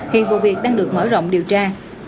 hiện vụ việc đang được mở rộng điều tra